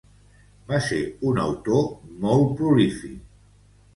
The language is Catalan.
Va ser un autor molt prolífic.